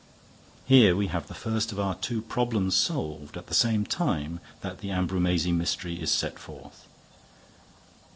Here we have the first of our two problems solved, at the same time that the Ambrumésy mystery is set forth.